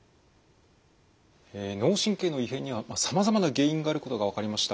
脳神経の異変にはさまざまな原因があることが分かりました。